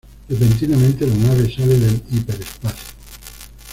Repentinamente, la nave sale del hiperespacio.